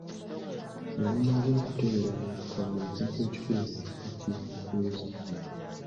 "Nga mumaze okutereera mu bufumbo, ekintu ekikulu mu maka kiri kimu kwezimba."